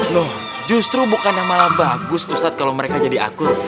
loh justru bukan yang malah bagus ustadz kalau mereka jadi aku